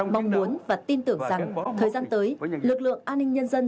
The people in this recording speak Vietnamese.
mong muốn và tin tưởng rằng thời gian tới lực lượng an ninh nhân dân